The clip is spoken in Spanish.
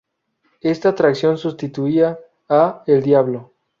Esta atracción sustituía a "El Diablo".